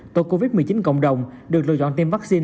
tội covid một mươi chín cộng đồng được lựa chọn tiêm vaccine